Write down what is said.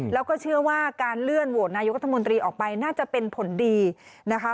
แล้วก็เชื่อว่าการเลื่อนโหวตนายกรัฐมนตรีออกไปน่าจะเป็นผลดีนะคะ